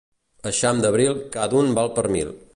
Eixam d'abril cada un val per mil.